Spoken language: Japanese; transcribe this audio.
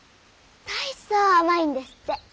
大層甘いんですって。